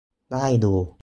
ได้อยู่